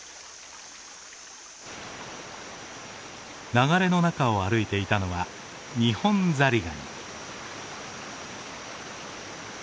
流れの中を歩いていたのはニホンザリガニ。